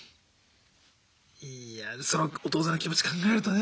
いやあそのお父さんの気持ち考えるとね